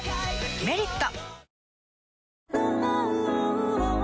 「メリット」